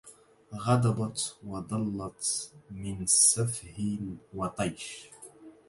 غضبت وظلت من سفه وطيش